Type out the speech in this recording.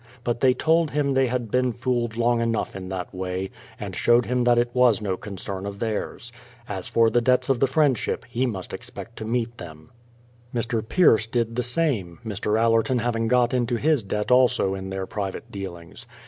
But they told him they had been fooled long enough in that way, and showed him that it was no concern of theirs. As for the debts of the Friendship he must expect to meet them. Mr. Pierce did the same, Mr. x Mlerton having got into his debt also in their private dealings.